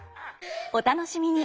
お楽しみに！